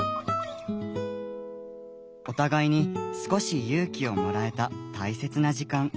お互いに少し勇気をもらえた大切な時間。